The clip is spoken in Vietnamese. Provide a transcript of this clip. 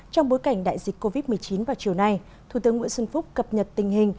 trong bối cảnh đại dịch covid một mươi chín vào chiều nay thủ tướng nguyễn xuân phúc cập nhật tình hình